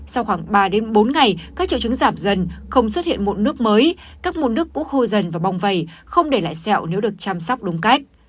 sau khoảng ba đến bốn ngày các triệu chứng giảm dần không xuất hiện mụn nước mới các môn nước cũng hô dần và bong vầy không để lại sẹo nếu được chăm sóc đúng cách